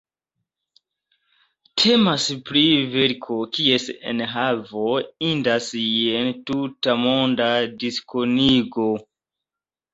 Temas pri verko kies enhavo indas je tutmonda diskonigo.